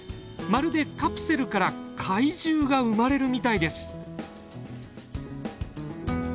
まるでカプセルから怪獣が産まれるみたいです。